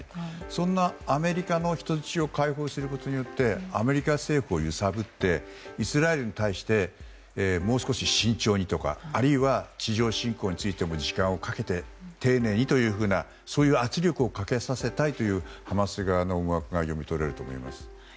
そんなアメリカの人質を解放することによってアメリカ政府を揺さぶってイスラエルに対してもう少し慎重にとかあるいは、地上侵攻についても時間をかけて丁寧にというような圧力をかけさせたいというハマス側の思惑が読み取れると思います。